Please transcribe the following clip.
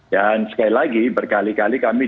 dan sekali lagi berkali kali kami